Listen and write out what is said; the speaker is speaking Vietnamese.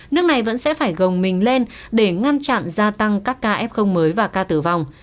nước này vẫn sẽ phải gồng mình lên để ngăn chặn gia tăng các ca f mới và ca tử vong